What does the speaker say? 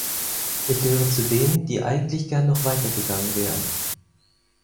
Ich gehöre zu denen, die eigentlich gern noch weiter gegangen wären.